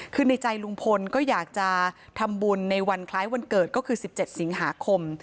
คือในใจลุงพลก็อยากจะทำบุญในวันคล้ายวันเกิดก็คือ๑๗สิงหาคม